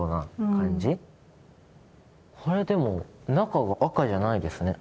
あれでも中が赤じゃないですね。